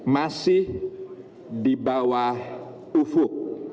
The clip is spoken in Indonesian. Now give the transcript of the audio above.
masih di bawah ufuk